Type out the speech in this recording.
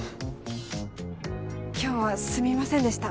今日はすみませんでした